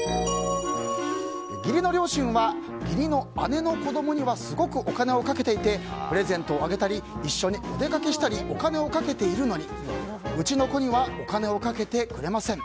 義理の両親は義理の姉の子供にはすごくお金をかけていてプレゼントをあげたり一緒にお出かけしたりお金をかけているのにうちの子にはお金をかけてくれません。